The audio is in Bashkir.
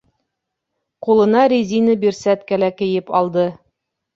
Ҡулына резина бирсәткә лә кейеп алды.